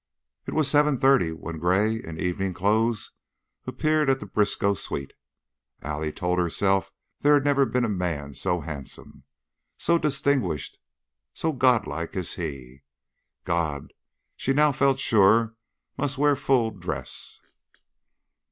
It was seven thirty when Gray, in evening clothes, appeared at the Briskow suite. Allie told herself there had never been a man so handsome, so distinguished, so Godlike as he. God, she now felt sure, must wear full dress.